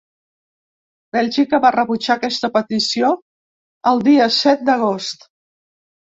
Bèlgica va rebutjar aquesta petició el dia set d’agost.